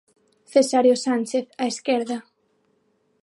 Cesáreo Sánchez, á esquerda.